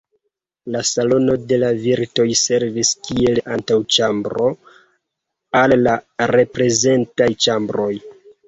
La Salono de la virtoj servis kiel antaŭĉambro al la reprezentaj ĉambroj.